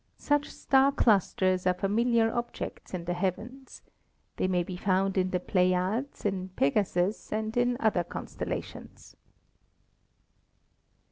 Such star clusters are familiar objects in the heavens. They may be found in the Pleiades, in Pegasus and in other constellations.